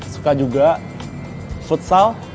suka juga futsal